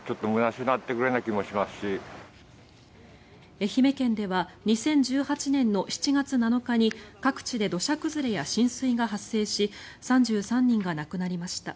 愛媛県では２０１８年の７月７日に各地で土砂崩れや浸水が発生し３３人が亡くなりました。